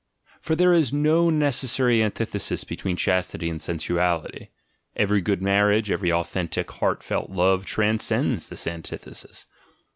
For there is no necessary antithesis between chastity and sen suality: every good marriage, every authentic heart felt love transcends this antithesis.